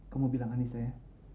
kamu bilang ke nisa ya